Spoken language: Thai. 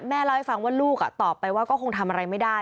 เล่าให้ฟังว่าลูกตอบไปว่าก็คงทำอะไรไม่ได้